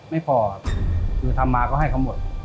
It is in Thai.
ไม่พอคือทำมาก็ให้เขาหมด